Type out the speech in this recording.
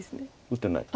打ってない。